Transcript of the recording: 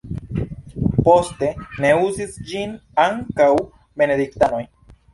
Poste uzis ĝin ankaŭ benediktanoj.